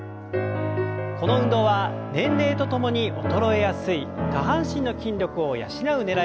この運動は年齢とともに衰えやすい下半身の筋力を養うねらいがあります。